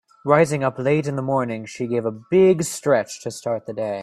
Rising up late in the morning she gave a big stretch to start the day.